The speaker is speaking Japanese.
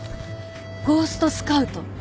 『ゴーストスカウト』